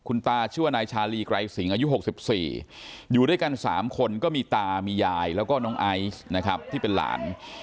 คุณตาชื่อว่านายชาลีไกรสิงอายุ๖๔อยู่ด้วยกัน๓คนก็มีตามียายแล้วก็น้องไอซ์นะครับที่เป็นหลาน